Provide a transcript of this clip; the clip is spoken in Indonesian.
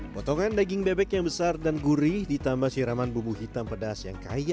potongan daging bebek yang besar dan gurih ditambah siraman bumbu hitam pedas yang kaya